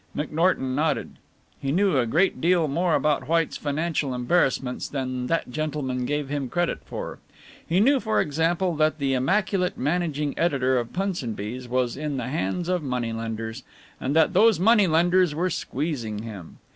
McNorton nodded. He knew a great deal more about White's financial embarrassments than that gentleman gave him credit for. He knew, for example, that the immaculate managing director of Punsonby's was in the hands of moneylenders, and that those moneylenders were squeezing him.